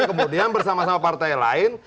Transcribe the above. kemudian bersama sama partai lain